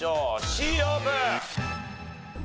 Ｃオープン！